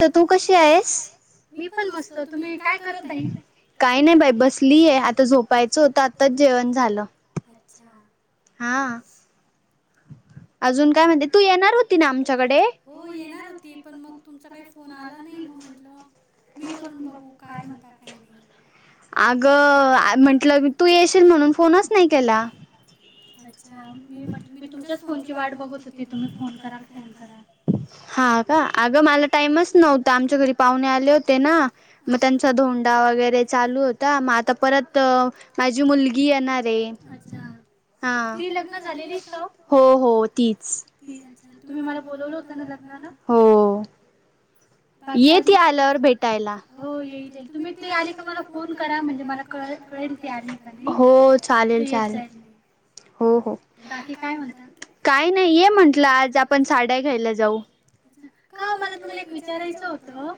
तर तू कशी आहेस मी पण मस्त तुम्ही काय करत नाही काही नाही बाई बसलीय आता झोपायचं होतं आताच जेवण झालं अच्छा हा हो येणार होती पण मग तुमच काही फोन आला नाही मग म्हटलं मी करून बघू काय म्हणता काही नाही अग म्हंटलं तू येशील म्हणून फोनच नाही केला अच्छा मी म्हट मी तुमच्याच फोन [inaudible] पाहुणे आले होते ना मग त्यांचा धोंडा वगैरे चालू होता मग आता परत माझी मुलगी येणारे अच्छा ह त लग्न झालेली हो हो त तुम्ही मला ब हो हो येत आल्यावर भेटायला हो येईल येईल तुम्ही ते आली का मला फोन करा म्हणजे मला कळ हो चालेल चालेल हो हो बाकी काय म्हणात काय नाही ये म्हंटलं आज आपण साड्या घ्यायला जाऊ अच्छा का मला तुम्हाला एक विचार विचारयचं होत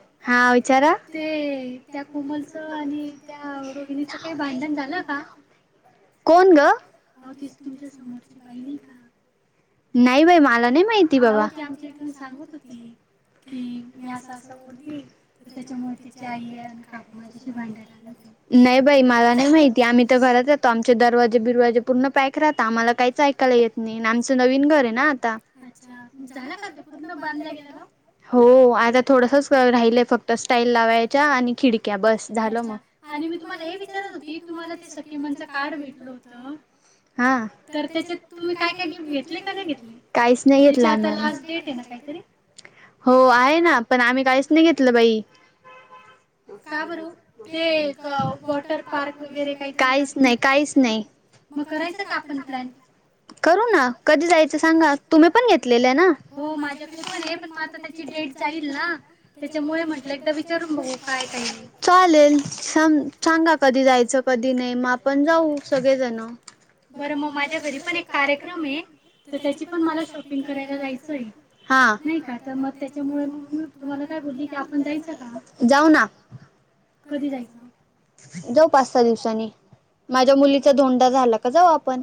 ते त्या कोमलच आणि त्या रोहिणीचं काही भांडण झालं का कोण ग अ तीच तुमच्या समोरची बईणी का नाही बाई मला नाही आ ते आमच्या इथून सांगत होती हम मी असं असं उरली तर त्याच्या मूर्तीची आई आणि कापमाझ्याशी भांडायला आलं होती नाही बाई मला नाही माहिती आम्ही तर घरात राहतो आमचे दरवाजे बिरवाजे पूर्ण पॅक राहत आम्हाला काहीच ऐकायला येत आमचं नवीन घर आहे ना आता् झाला का पूर्ण बांध गे ग हो आता थोडसच राहिलय फक्त स्टाईल लावायच्या आणि खिडक्या बस झालं मग आणि मी तुम्हाला हे विचारत होती तुम्हाला ते सकीमनचं कार्ड भेटल होतं तर त्याच्यात तुम्ही काय काय गिफ्ट घेतले का नाही घेतले त्याची आता लास्ट डेट आहे ना काहीतरी हो आहे ना पण आम्ही काहीच नाही घेतलं बाई हम का बरं ते वॉटर पार्क वगैरे काहीत काहीच नाही मग करायचं का आपण प्लॅन कधीयचग तुम्ही पण हो माझ्याकडे पण पण आ ची डेट जा आहे त्याच्यामुळे म्हं एकदा विचारून बघू काय का चालेल स सांगा कधी जायचं कधी नाही मग आपण जाऊ सगळेजण बरं मग माझ्या घरी पण एक कार्यक्रम आहे तर त्याची पण मला शॉपिंग करायला जायचं आहे नाही का तर मग त्याच्यामुळे तुम्हाला काय बोल की आपण जायचं का जाऊ ना कधी जायच जाऊ पाच सहा दिवसानी माझ्या मुलीचा धोंडा झाला का जाऊ आपण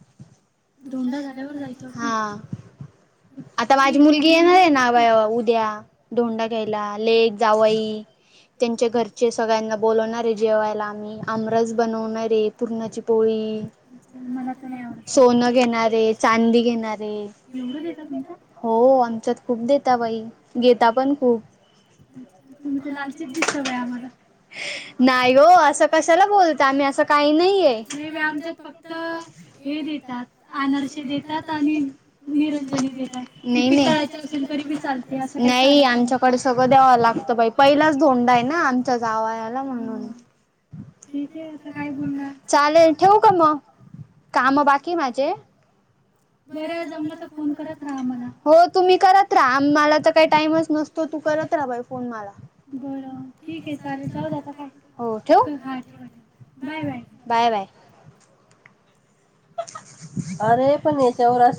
[unintelligible] घेणार आहे त्यांच्या घरचे सगळ्यांना बोलव मला तर नाही आवडत आच्यात खूप देता बाई घेता पण खूप तुमचे लालचेची सवय आहे आम्हाला नाही हो असं कशाला बोलत आम्ही असं काही नाहीये आमच्या हे देतात अनारसे देतात आणि निरंजनी देतात. असेल तरीबी चालते नाही आमच्याकडे सगळं द्यावं लागतं बाई पहिलाच धोंडा आहे ना आमच्या जावयाला म्हणून ठीक आहे अस काय बोलणार चालेल ठेवू का मग काम बाकी माझे बर जमलं तर फोन करत राहा मला हो तुम्ही करत राहा आ मला काही टामच नसतो तू करत राहा फोन मला बर ठीक आहे चालेल चाल आता का हो ठेवक बाय बाय बाय बाय अरे पण याच्यावर असं